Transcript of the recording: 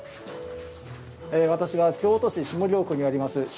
私は、京都市下京区にあります